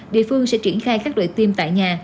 địa phương sẽ triển khai các đội tiêm tại nhà